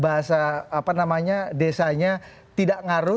bahasa apa namanya desanya tidak ngaruh